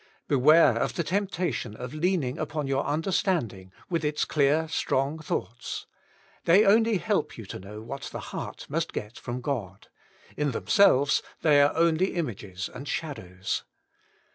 Beware of the temptation of leaning upon your understanding, with its clear strong thoughts. They only help you to know what the heart must get from God: in them selves they are only images and shadows.